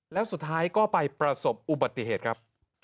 แล้วสุดท้ายก็ไปประสบอุบัติเหตุครับ